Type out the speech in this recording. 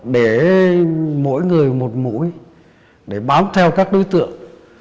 để mỗi người một mũi để bám theo các đối tượng